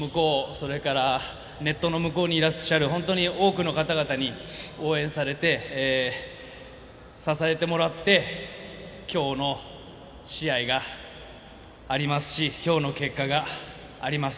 それから、ネットの向こうにいらっしゃる本当に多くの方々に応援されて、支えてもらって今日の試合がありますし今日の結果があります。